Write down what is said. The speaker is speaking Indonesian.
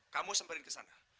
kamu sembarin ke sana